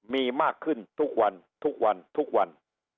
มีมากขึ้นทุกวันทุกวันทุกวันทุกวัน